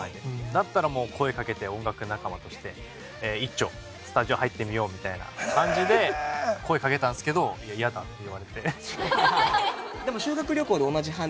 だったらもう声かけて音楽仲間として一丁スタジオ入ってみようみたいな感じで声かけたんですけど「嫌だ」って言われて。